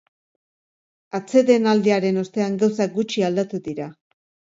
Atsedenaldiaren ostean gauzak gutxi aldatu dira.